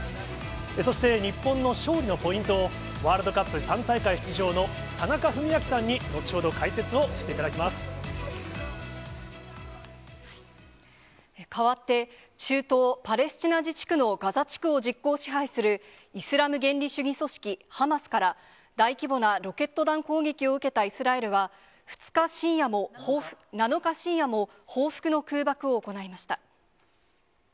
そして、日本の勝利のポイントをワールドカップ３大会出場の田中史朗さん変わって、中東パレスチナ自治区のガザ地区を実効支配する、イスラム原理主義組織ハマスから、大規模なロケット弾攻撃を受けたイスラエルは７日深夜も報復の空爆を行いました。